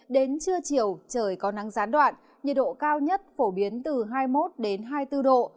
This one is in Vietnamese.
đến trưa chiều trời có nắng gián đoạn nhiệt độ cao nhất phổ biến từ hai mươi một hai mươi bốn độ